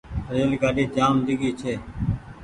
ريل گآڏي جآم ڊيگهي ڇي۔